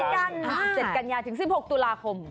เสร็จกัญญาถึง๑๖ตุลาคม